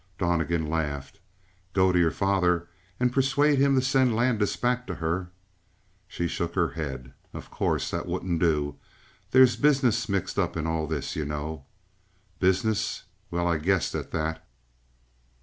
Donnegan laughed. "Go to your father and persuade him to send Landis back to her." She shook her head. "Of course, that wouldn't do. There's business mixed up in all this, you know." "Business? Well, I guessed at that."